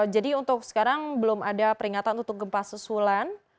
jadi untuk sekarang belum ada peringatan untuk gempas susulan